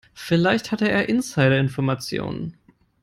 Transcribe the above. Vielleicht hatte er Insiderinformationen.